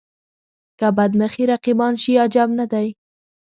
که بد مخي رقیبان شي عجب نه دی.